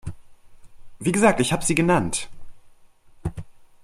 Wie gesagt, ich habe sie genannt.